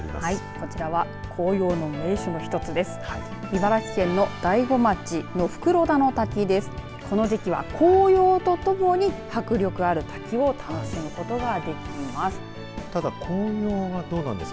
こちらは紅葉の名所の一つです。